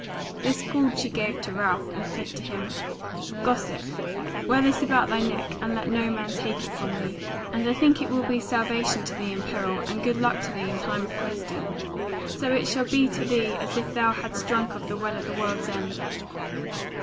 This gaud she gave to Ralph, and said to him: "Gossip, wear this about thy neck, and let no man take it from thee, and I think it will be salvation to thee in peril, and good luck to thee in the time of questing; so that it shall be to thee as if thou hadst drunk of the WELL AT THE WORLD'S END."